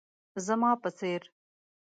زما په څير